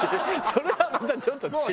それはまたちょっと違う。